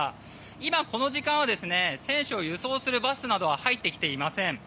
今、この時間は選手を輸送するバスなどは入ってきていません。